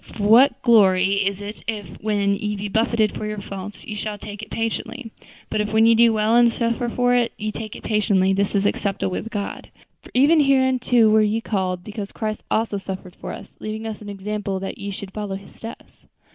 For what glory is it if, when ye be buffeted for your faults, ye shall take it patiently? but if when ye do well, and suffer for it, ye take it patiently, this is acceptable with God. For even hereunto were ye called; because Christ also suffered for us, leaving us an example that ye should follow His steps."